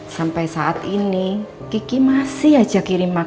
sampai saat ini kiki masih ajar ajar